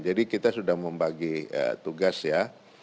jadi kita sudah membagi tugas ya